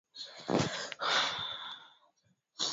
Leo anapendeza sana.